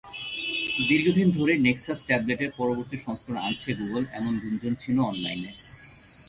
দীর্ঘদিন ধরেই নেক্সাস ট্যাবলেটের পরবর্তী সংস্করণ আনছে গুগল এমন গুঞ্জন ছিল অনলাইনে।